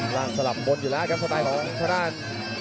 ล่างสลับบนอยู่แล้วครับสตรายของสตราน